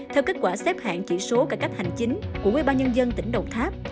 theo kết quả xếp hạng chỉ số cải cách hành chính của quê ba nhân dân tỉnh đồng tháp